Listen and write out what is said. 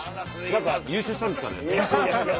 何か優勝したんですかね。